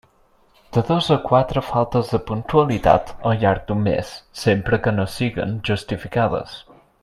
De dos a quatre faltes de puntualitat al llarg d'un mes, sempre que no siguen justificades.